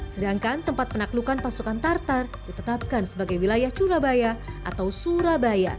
sedangkan tempat penaklukan pasukan tartar ditetapkan sebagai wilayah curabaya atau surabaya